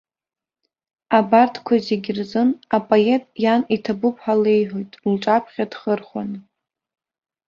Абарҭқәа зегьы рзын апоет иан иҭабуп ҳәа леиҳәоит лҿаԥхьа дхырхәаны.